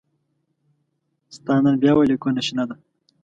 ستا نن بيا ولې کونه شنه ده